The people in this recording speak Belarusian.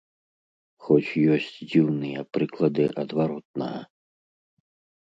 Хоць ёсць дзіўныя прыклады адваротнага.